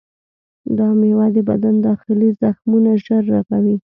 دا میوه د بدن داخلي زخمونه ژر رغوي.